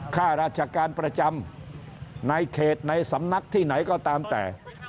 ข้าราชการประจำในเขตในสำนักที่ไหนก็ตามแต่